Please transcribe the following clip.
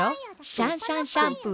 シャンシャンシャンプー。